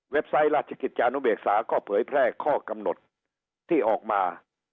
ไซต์ราชกิจจานุเบกษาก็เผยแพร่ข้อกำหนดที่ออกมา